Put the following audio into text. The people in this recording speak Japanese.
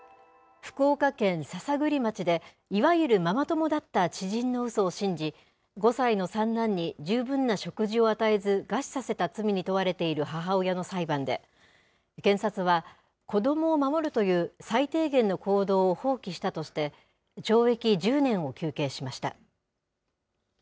福岡県篠栗町で、いわゆるママ友だった知人のうそを信じ、５歳の三男に十分な食事を与えず餓死させた罪に問われている母親の裁判で、検察は、子どもを守るという最低限の行動を放棄したとして、懲役１０年を求刑しました。